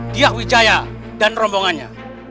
dia wijaya dan rombongannya